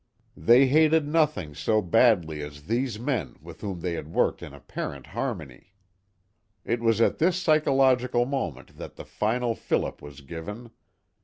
They hated nothing so badly as these men with whom they had worked in apparent harmony. It was at this psychological moment that the final fillip was given.